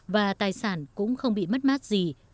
và tài sản cũng không bị mất mát gì